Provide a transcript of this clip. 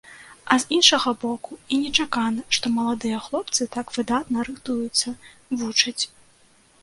А з іншага боку, і нечакана, што маладыя хлопцы так выдатна рыхтуюцца, вучаць.